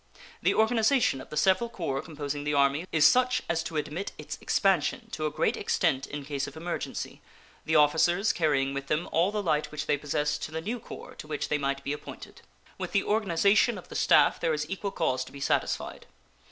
The organization of the several corps composing the Army is such as to admit its expansion to a great extent in case of emergency, the officers carrying with them all the light which they possess to the new corps to which they might be appointed. With the organization of the staff there is equal cause to be satisfied.